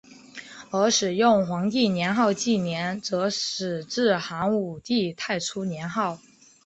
而使用皇帝年号纪年则始自汉武帝太初年号。